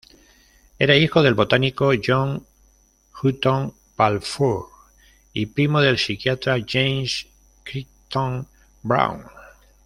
Era hijo del botánico John Hutton Balfour, y primo del psiquiatra James Crichton-Browne.